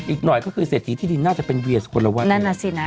อีกหน่อยก็คือเศรษฐีที่ดินน่าจะเป็นเวียดสุคละวัดเนี่ย